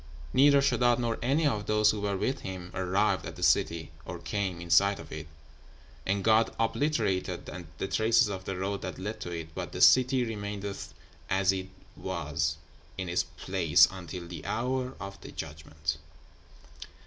Neither Sheddád nor any of those who were with him arrived at the city, or came in sight of it, and God obliterated the traces of the road that led to it, but the city remaineth as it was in its place until the hour of the judgment!'